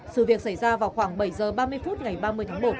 sự việc xảy ra vào khoảng bảy h ba mươi phút ngày ba mươi tháng một